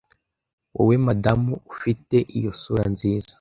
wowe madamu ufite iyo sura nziza